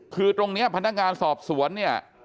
คือตรงนี้พนักงานสอบสวนเนี่ย